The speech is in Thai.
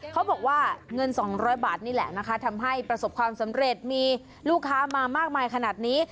เขาบอกว่าเงิน๒๐๐บาทนี่แหละนะคะทำให้ประสบความสำเร็จมีลูกค้ามามากมายขนาดนี้